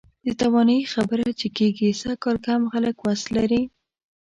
د توانایي خبره چې کېږي، سږکال کم خلک وس لري.